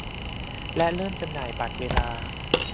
และเริ่มจำหน่ายบัตรเวลา